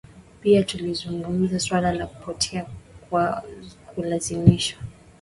Pia tulizungumzia suala la kupotea kwa kulazimishwa